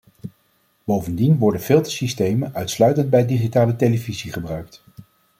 Bovendien worden filtersystemen uitsluitend bij digitale televisie gebruikt.